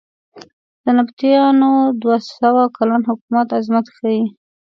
د نبطیانو دوه سوه کلن حکومت عظمت ښیې.